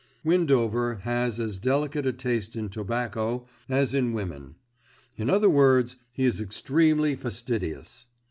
Windover has as delicate a taste in tobacco as in women; in other words he is extremely fastidious.